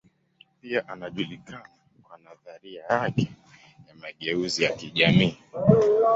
Pia anajulikana kwa nadharia yake ya mageuzi ya kijamii.